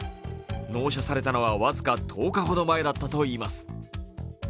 納車されたのは僅か１０日ほど前だったといいます。